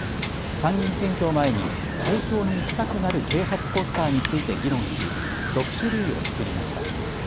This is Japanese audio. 参議院選挙を前に投票に行きたくなる啓発啓発ポスターについて議論し６種類を作りました。